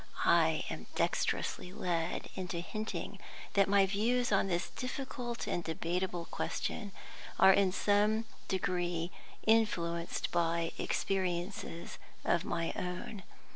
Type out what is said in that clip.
I am dexterously led into hinting that my views on this difficult and debatable question are in some degree influenced by experiences of my own.